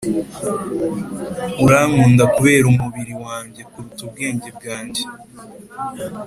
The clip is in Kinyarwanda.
urankunda kubera umubiri wanjye kuruta ubwenge bwanjye.